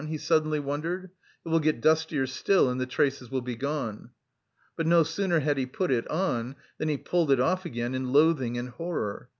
he suddenly wondered, "it will get dustier still and the traces will be gone." But no sooner had he put it on than he pulled it off again in loathing and horror.